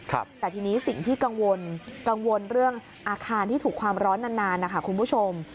แต่ทีนี้สิ่งที่กังวลเรื่องอาคารที่ถูกความร้อนนานคุณผู้ชม